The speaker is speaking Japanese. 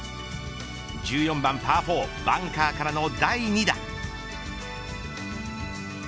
１４番パー４バンカーからの第２打。